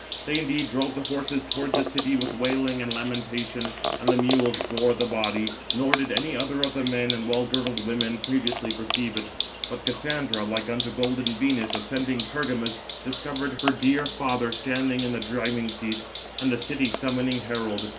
They indeed drove the horses towards the city with wailing and lamentation, and the mules bore the body; nor did any other of the men and well girdled women previously perceive it; but Cassandra, like unto golden Venus, ascending Pergamus, discovered her dear father standing in the driving seat, and the city summoning herald.